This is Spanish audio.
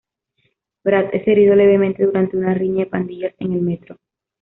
Brad es herido levemente durante una riña de pandillas en el metro.